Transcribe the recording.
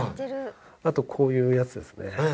あとこういうやつですね